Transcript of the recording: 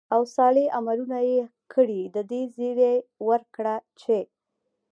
او صالح عملونه ئې كړي، د دې زېرى وركړه چې: